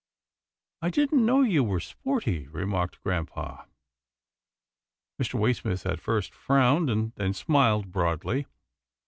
" I didn't know you were sporty," remarked grampa. Mr. Waysmith at first frowned, then smiled broadly.